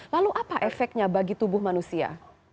lalu apa efeknya bagi tubuh manusia